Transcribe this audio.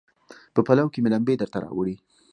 په پلو کې مې لمبې درته راوړي